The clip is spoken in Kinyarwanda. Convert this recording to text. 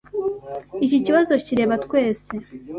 Iki kibazo kireba twese.